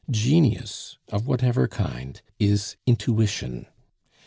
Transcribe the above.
Genius of whatever kind is intuition.